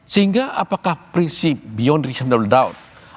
sehingga apakah prinsip beyond rational doubt